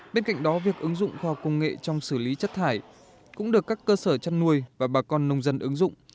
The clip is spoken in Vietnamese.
bên cạnh đó việc ứng dụng khoa học công nghệ trong xử lý chất thải cũng được các cơ sở chăn nuôi và bà con nông dân ứng dụng